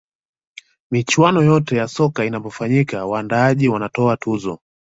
michuano yote ya soka inapofanyika waandaaji wanatoa tuzo